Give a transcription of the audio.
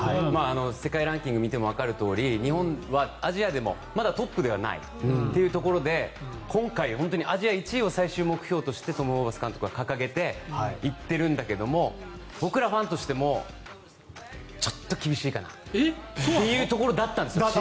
世界ランキングを見てもわかるとおり日本はアジアでもまだトップではないというところで今回、アジア１位を最終目標としてトム・ホーバス監督は掲げて行っているんだけども僕らファンとしてもちょっと厳しいかなというところだったんです。